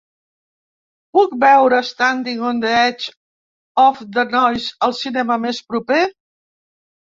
Puc veure Standing on the Edge of the Noise al cinema més proper?